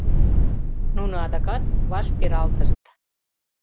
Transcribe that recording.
Нуно адакат ваш пералтышт.